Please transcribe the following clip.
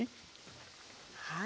はい。